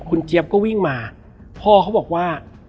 คุณเจี๊ยบก็วิ่งมาพ่อเขาบอกว่า